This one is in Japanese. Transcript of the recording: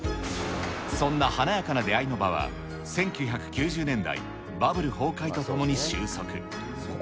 そんな華やかな出会いの場は１９９０年代、バブル崩壊とともに収束。